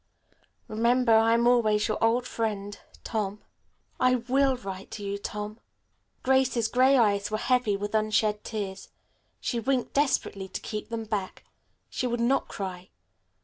Remember, I am always your old friend Tom." "I will write to you, Tom." Grace's gray eyes were heavy with unshed tears. She winked desperately to keep them back. She would not cry.